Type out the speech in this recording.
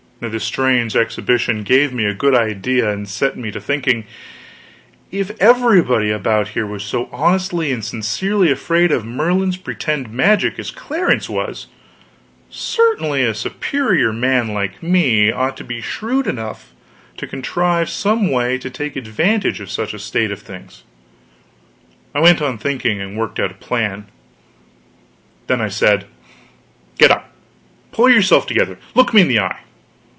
Now this strange exhibition gave me a good idea and set me to thinking. If everybody about here was so honestly and sincerely afraid of Merlin's pretended magic as Clarence was, certainly a superior man like me ought to be shrewd enough to contrive some way to take advantage of such a state of things. I went on thinking, and worked out a plan. Then I said: "Get up. Pull yourself together; look me in the eye.